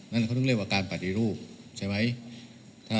นั่นเขาต้องเรียกว่าการปฏิรูปใช่ไหม